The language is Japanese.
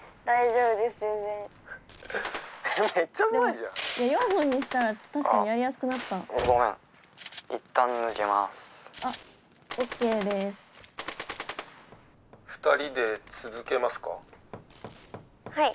「２人で続けますか？」。